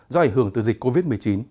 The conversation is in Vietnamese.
do ảnh hưởng từ dịch covid một mươi chín